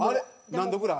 何度ぐらい？